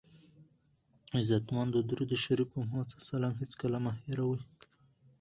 عزتمندو درود شریف په محمد ص هېڅکله مه هیروئ!